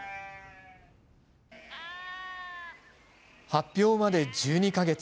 発表まで１２か月。